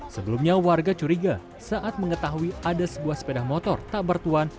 sebelumnya warga curiga saat mengetahui ada sebuah sepeda motor tak bertuan